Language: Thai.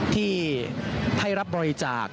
ที่ให้รับบริจาค